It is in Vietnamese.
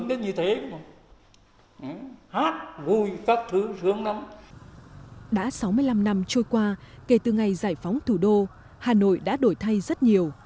đã sáu mươi năm năm trôi qua kể từ ngày giải phóng thủ đô hà nội đã đổi thay rất nhiều